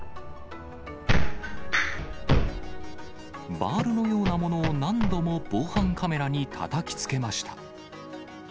バールのようなものを何度も防犯カメラにたたきつけました。